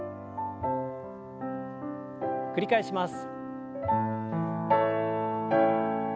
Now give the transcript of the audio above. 繰り返します。